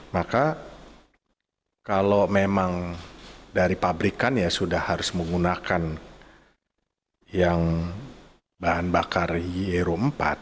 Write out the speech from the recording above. maka kalau memang dari pabrikan ya sudah harus menggunakan yang bahan bakar ero empat